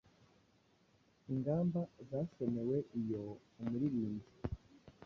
Ingamba zasomeweiyo umuririmbyi